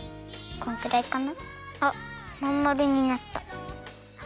こんくらいかなあっまんまるになった！